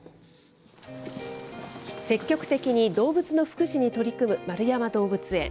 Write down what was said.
積極的に動物の福祉に取り組む円山動物園。